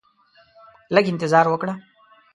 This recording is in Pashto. لږ انتظار وکړه